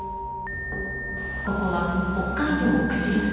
ここは北海道釧路市。